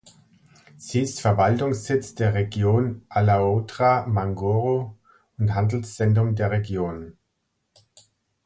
Sie ist Verwaltungssitz der Region Alaotra-Mangoro und Handelszentrum der Region.